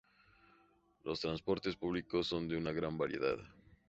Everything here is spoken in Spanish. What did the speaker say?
Los transportes públicos son de una gran variedad.